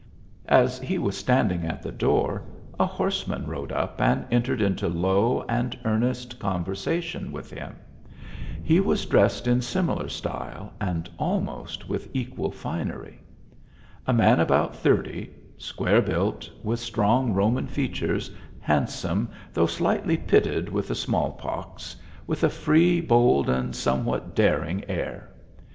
As he was standing at the door, a horseman rode up and entered into low and earnest conversation with him. He was dressed in similar style, and alrno it with equal finery. A man about thirty, square built, with strong Roman features, hand some, though slightly pitted with the small pox, with a free, bold and somewhat daring air.